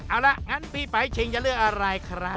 เอาล่ะงั้นพี่ไปชิงจะเลือกอะไรครับ